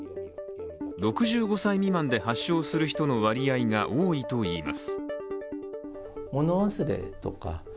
６５歳未満で発症する人の割合が多いといいます。